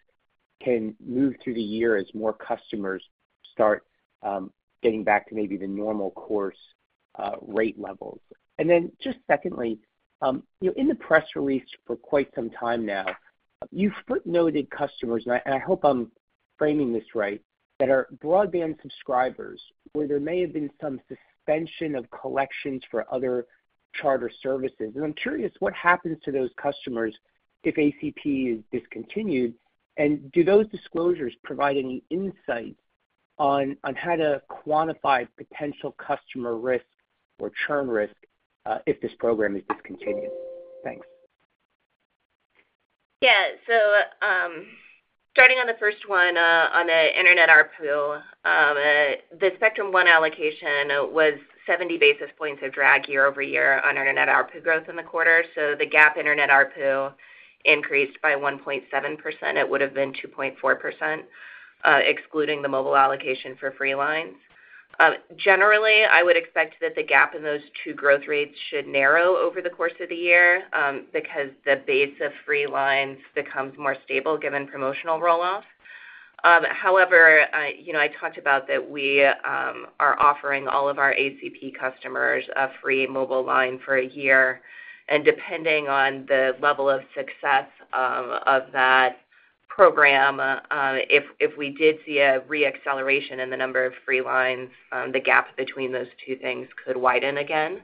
can move through the year as more customers start getting back to maybe the normal course rate levels? And then just secondly, in the press release for quite some time now, you've footnoted customers, and I hope I'm framing this right, that are broadband subscribers where there may have been some suspension of collections for other Charter services. And I'm curious, what happens to those customers if ACP is discontinued? And do those disclosures provide any insights on how to quantify potential customer risk or churn risk if this program is discontinued? Thanks. Yeah. So starting on the first one, on the internet RPU, the Spectrum One allocation was 70 basis points of drag year-over-year on internet RPU growth in the quarter. So the gap internet RPU increased by 1.7%. It would have been 2.4% excluding the mobile allocation for free lines. Generally, I would expect that the GAAP in those two growth rates should narrow over the course of the year because the base of free lines becomes more stable given promotional roll-off. However, I talked about that we are offering all of our ACP customers a free mobile line for a year. And depending on the level of success of that program, if we did see a reacceleration in the number of free lines, the gap between those two things could widen again.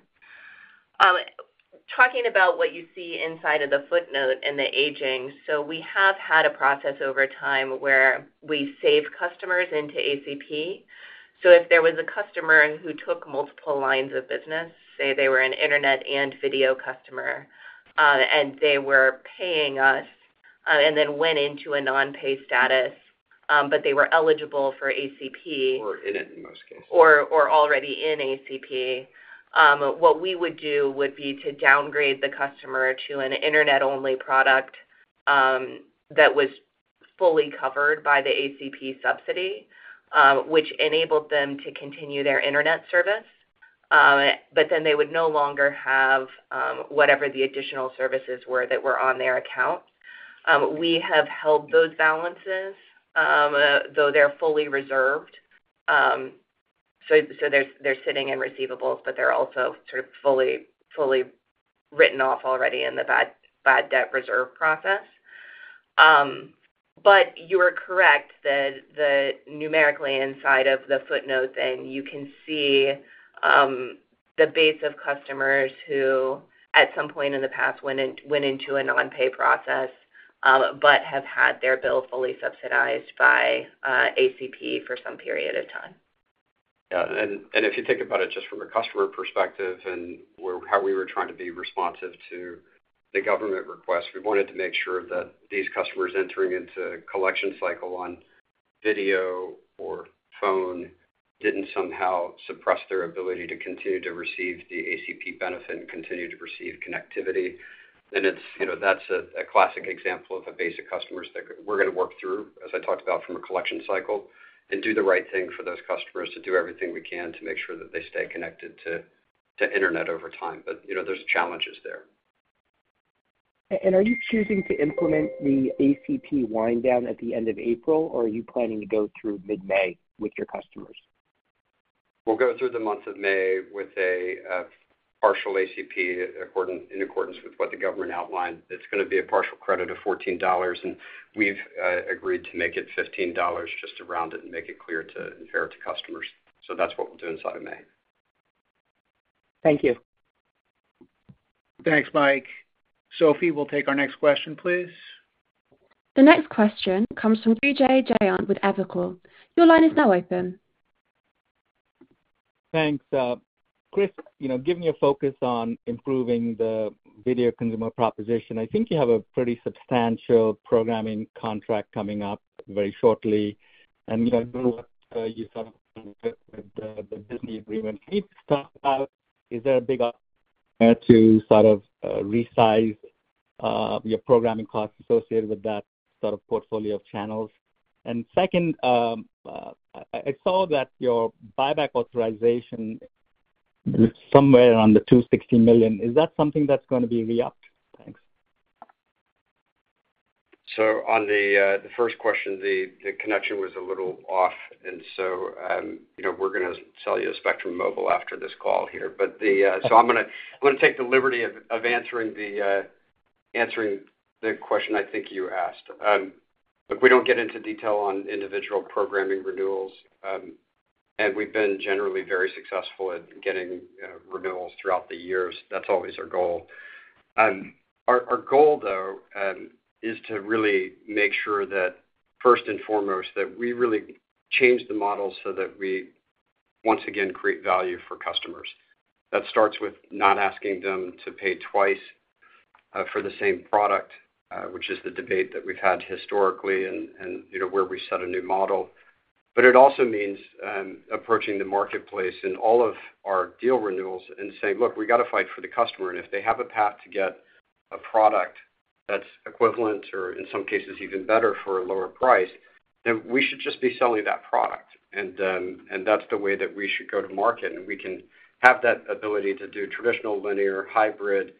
Talking about what you see inside of the footnote and the aging, so we have had a process over time where we save customers into ACP. So if there was a customer who took multiple lines of business, say they were an internet and video customer, and they were paying us and then went into a non-pay status, but they were eligible for ACP. Or in it, in most cases. Or already in ACP, what we would do would be to downgrade the customer to an internet-only product that was fully covered by the ACP subsidy, which enabled them to continue their internet service. But then they would no longer have whatever the additional services were that were on their account. We have held those balances, though they're fully reserved. So they're sitting in receivables, but they're also sort of fully written off already in the bad debt reserve process. But you are correct that numerically inside of the footnote then, you can see the base of customers who, at some point in the past, went into a non-pay process but have had their bill fully subsidized by ACP for some period of time. Yeah. And if you think about it just from a customer perspective and how we were trying to be responsive to the government request, we wanted to make sure that these customers entering into collection cycle on video or phone didn't somehow suppress their ability to continue to receive the ACP benefit and continue to receive connectivity. And that's a classic example of a base of customers that we're going to work through, as I talked about, from a collection cycle and do the right thing for those customers to do everything we can to make sure that they stay connected to internet over time. But there's challenges there. Are you choosing to implement the ACP wind-down at the end of April, or are you planning to go through mid-May with your customers? We'll go through the month of May with a partial ACP in accordance with what the government outlined. It's going to be a partial credit of $14. And we've agreed to make it $15 just to round it and make it clear and fair to customers. So that's what we'll do inside of May. Thank you. Thanks, Mike. Sophie, we'll take our next question, please. The next question comes from Vijay Jayant with Evercore ISI. Your line is now open. Thanks. Chris, given your focus on improving the video consumer proposition, I think you have a pretty substantial programming contract coming up very shortly. And given what you sort of did with the Disney agreement, we need to talk about is there a big to sort of resize your programming costs associated with that sort of portfolio of channels? And second, I saw that your buyback authorization is somewhere around the $260 million. Is that something that's going to be re-upped? Thanks. So on the first question, the connection was a little off. So we're going to sell you a Spectrum Mobile after this call here. So I'm going to take the liberty of answering the question I think you asked. Look, we don't get into detail on individual programming renewals. And we've been generally very successful at getting renewals throughout the years. That's always our goal. Our goal, though, is to really make sure that, first and foremost, that we really change the model so that we, once again, create value for customers. That starts with not asking them to pay twice for the same product, which is the debate that we've had historically and where we set a new model. But it also means approaching the marketplace in all of our deal renewals and saying, "Look, we got to fight for the customer. And if they have a path to get a product that's equivalent or, in some cases, even better for a lower price, then we should just be selling that product. And that's the way that we should go to market. And we can have that ability to do traditional, linear, hybrid.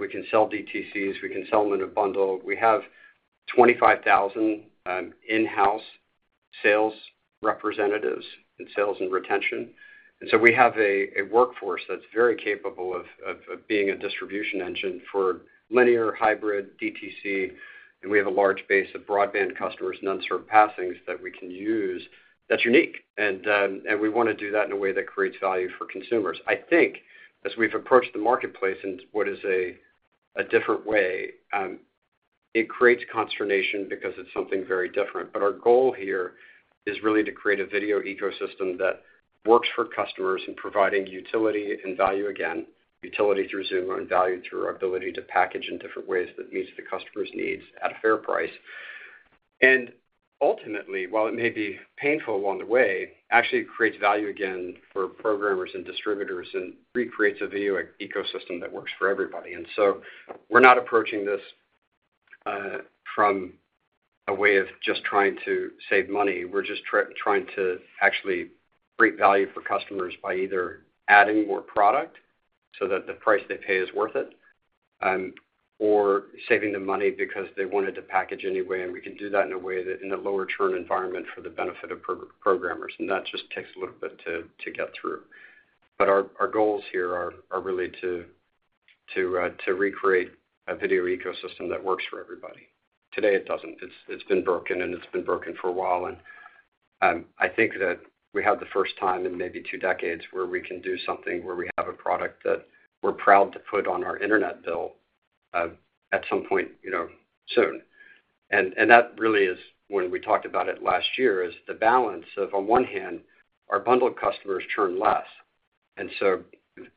We can sell DTCs. We can sell them in a bundle. We have 25,000 in-house sales representatives in sales and retention. And so we have a workforce that's very capable of being a distribution engine for linear, hybrid, DTC. And we have a large base of broadband customers, unserved passings that we can use that's unique. And we want to do that in a way that creates value for consumers. I think, as we've approached the marketplace in what is a different way, it creates consternation because it's something very different. But our goal here is really to create a video ecosystem that works for customers in providing utility and value again, utility through Xumo and value through our ability to package in different ways that meets the customer's needs at a fair price. And ultimately, while it may be painful along the way, actually creates value again for programmers and distributors and recreates a video ecosystem that works for everybody. And so we're not approaching this from a way of just trying to save money. We're just trying to actually create value for customers by either adding more product so that the price they pay is worth it or saving the money because they wanted to package anyway. And we can do that in a way that in a lower-churn environment for the benefit of programmers. And that just takes a little bit to get through. But our goals here are really to recreate a video ecosystem that works for everybody. Today, it doesn't. It's been broken. And it's been broken for a while. And I think that we have the first time in maybe two decades where we can do something where we have a product that we're proud to put on our internet bill at some point soon. And that really is when we talked about it last year is the balance of, on one hand, our bundled customers churn less. And so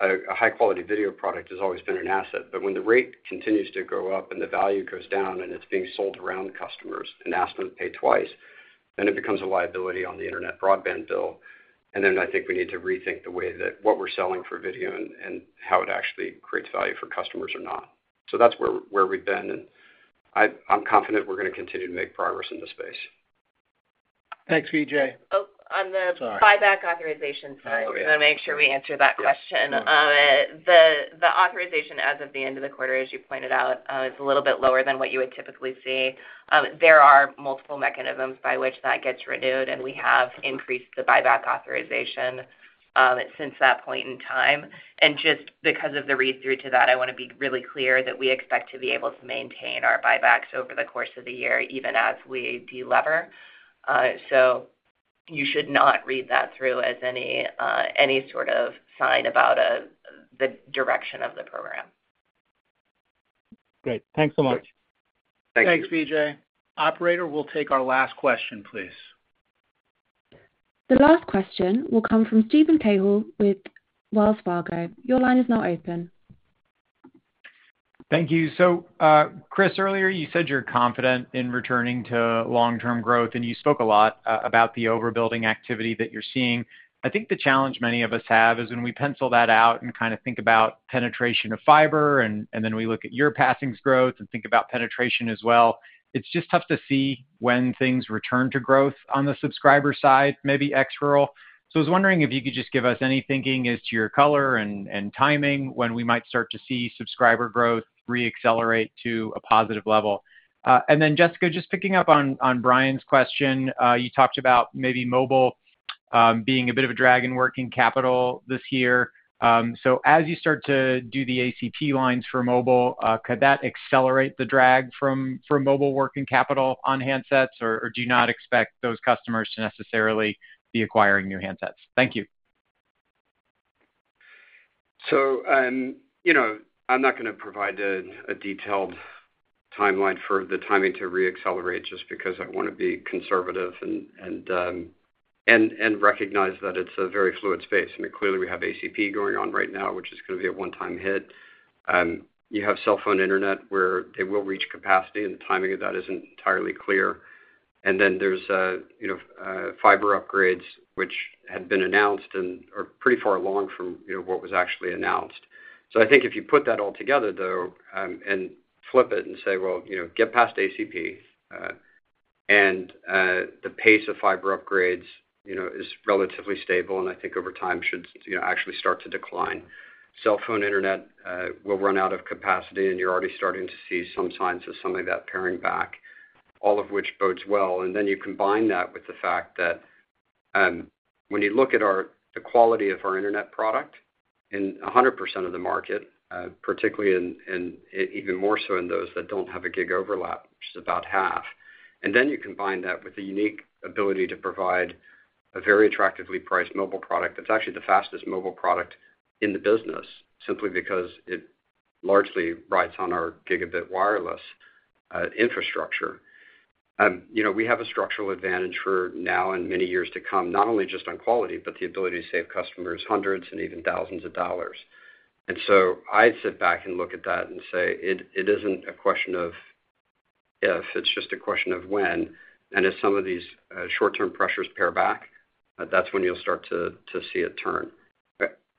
a high-quality video product has always been an asset. But when the rate continues to go up and the value goes down and it's being sold around customers and asked them to pay twice, then it becomes a liability on the internet broadband bill. I think we need to rethink the way that what we're selling for video and how it actually creates value for customers or not. That's where we've been. I'm confident we're going to continue to make progress in this space. Thanks, Vijay. Oh, on the buyback authorization side, I want to make sure we answer that question. The authorization, as of the end of the quarter, as you pointed out, is a little bit lower than what you would typically see. There are multiple mechanisms by which that gets renewed. We have increased the buyback authorization since that point in time. Just because of the read-through to that, I want to be really clear that we expect to be able to maintain our buybacks over the course of the year even as we de-lever. You should not read that through as any sort of sign about the direction of the program. Great. Thanks so much. Thanks, Vijay. Operator, we'll take our last question, please. The last question will come from Steven Cahall with Wells Fargo. Your line is now open. Thank you. So, Chris, earlier, you said you're confident in returning to long-term growth. And you spoke a lot about the overbuilding activity that you're seeing. I think the challenge many of us have is when we pencil that out and kind of think about penetration of fiber, and then we look at your passings growth and think about penetration as well, it's just tough to see when things return to growth on the subscriber side, maybe ex rural. So I was wondering if you could just give us any thinking as to your color and timing when we might start to see subscriber growth reaccelerate to a positive level. And then, Jessica, just picking up on Bryan's question, you talked about maybe mobile being a bit of a drag in working capital this year. So as you start to do the ACP lines for mobile, could that accelerate the drag from mobile working capital on handsets, or do you not expect those customers to necessarily be acquiring new handsets? Thank you. So I'm not going to provide a detailed timeline for the timing to reaccelerate just because I want to be conservative and recognize that it's a very fluid space. I mean, clearly, we have ACP going on right now, which is going to be a one-time hit. You have cell phone internet where they will reach capacity. And the timing of that isn't entirely clear. And then there's fiber upgrades, which had been announced and are pretty far along from what was actually announced. So I think if you put that all together, though, and flip it and say, "Well, get past ACP," and the pace of fiber upgrades is relatively stable and I think over time should actually start to decline, cell phone internet will run out of capacity. And you're already starting to see some signs of some of that paring back, all of which bodes well. Then you combine that with the fact that when you look at the quality of our internet product in 100% of the market, particularly and even more so in those that don't have a gig overlap, which is about half, and then you combine that with the unique ability to provide a very attractively priced mobile product that's actually the fastest mobile product in the business simply because it largely rides on our gigabit wireless infrastructure, we have a structural advantage for now and many years to come not only just on quality but the ability to save customers hundreds and even thousands of dollars. So I'd sit back and look at that and say it isn't a question of if. It's just a question of when. As some of these short-term pressures pare back, that's when you'll start to see it turn.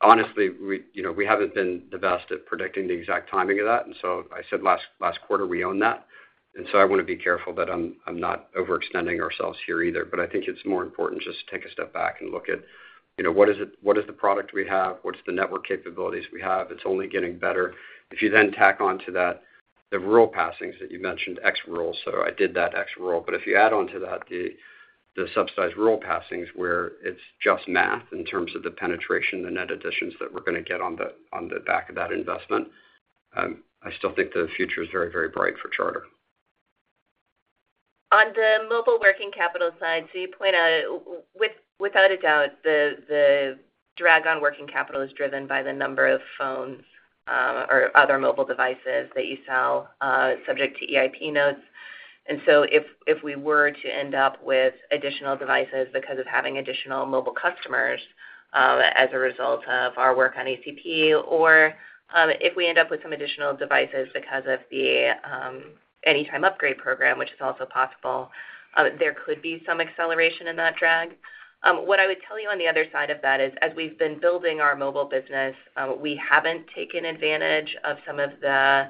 Honestly, we haven't been the best at predicting the exact timing of that. And so I said last quarter, we own that. And so I want to be careful that I'm not overextending ourselves here either. But I think it's more important just to take a step back and look at what is the product we have? What's the network capabilities we have? It's only getting better. If you then tack onto that the rural passings that you mentioned, our rural. So I did that our rural. But if you add onto that the subsidized rural passings where it's just math in terms of the penetration, the net additions that we're going to get on the back of that investment, I still think the future is very, very bright for Charter. On the mobile working capital side, so you point out, without a doubt, the drag on working capital is driven by the number of phones or other mobile devices that you sell subject to EIP notes. And so if we were to end up with additional devices because of having additional mobile customers as a result of our work on ACP or if we end up with some additional devices because of the Anytime Upgrade program, which is also possible, there could be some acceleration in that drag. What I would tell you on the other side of that is, as we've been building our mobile business, we haven't taken advantage of some of the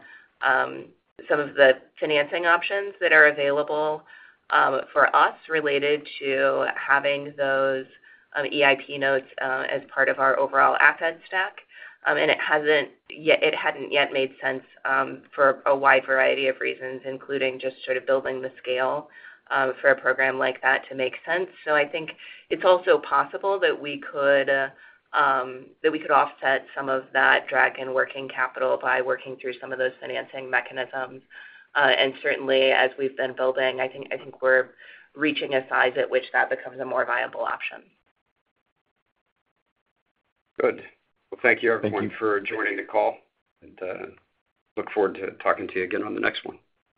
financing options that are available for us related to having those EIP notes as part of our overall asset stack. And it hadn't yet made sense for a wide variety of reasons, including just sort of building the scale for a program like that to make sense. So I think it's also possible that we could offset some of that drag in working capital by working through some of those financing mechanisms. And certainly, as we've been building, I think we're reaching a size at which that becomes a more viable option. Good. Well, thank you, everyone, for joining the call. Look forward to talking to you again on the next one.